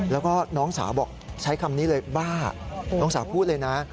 แล้วก็น้องสาวบอกใช้คำนี้เลยบ้าน้องสาวพูดเลยนะ